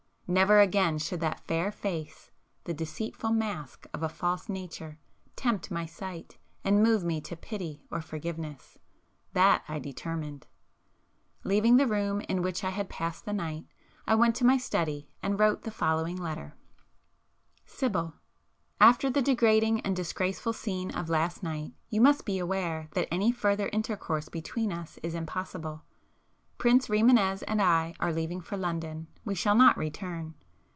Never again should that fair face, the deceitful mask of a false nature, tempt my sight and move me to pity or forgiveness,—that I determined. Leaving the room in which I had passed the night, I went to my study and wrote the following letter;— Sibyl. After the degrading and disgraceful scene of last night you must be aware that any further intercourse between us is impossible. Prince Rimânez and I are leaving for London; we shall not return.